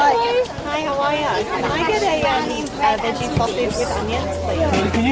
bolehkah anda membeli sepatu